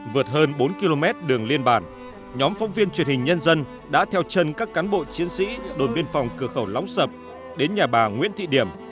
vượt hơn bốn km đường liên bản nhóm phóng viên truyền hình nhân dân đã theo chân các cán bộ chiến sĩ đồn biên phòng cửa khẩu lóng sập đến nhà bà nguyễn thị điểm